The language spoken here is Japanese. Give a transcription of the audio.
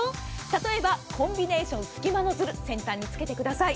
例えばコンビネーション隙間ノズル先端に付けてください。